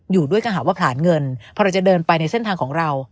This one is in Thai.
อยู่ด้วยถ้าหากว่าผลาญเงินพอเราจะเดินไปในเส้นทางของเรา